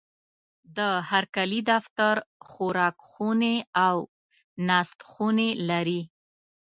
د هرکلي دفتر، خوراکخونې او ناستخونې لري.